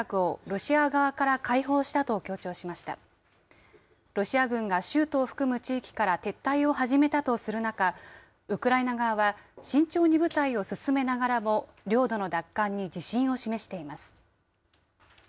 ロシア軍が州都を含む地域から撤退を始めたとする中、ウクライナ側は慎重に部隊を進めながらも、領土の奪還に自信を示しています。